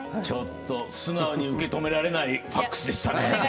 ちょっと素直に受け止められないＦＡＸでしたね。